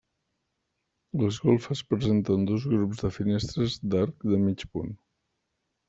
Les golfes presenten dos grups de finestres d'arc de mig punt.